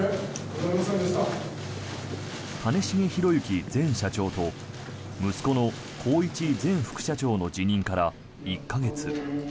兼重宏行前社長と、息子の宏一前副社長の辞任から１か月。